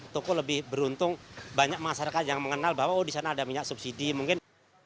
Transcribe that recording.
toko lebih beruntung banyak masyarakat yang mengenal bahwa oh di sana ada minyak subsidi mungkin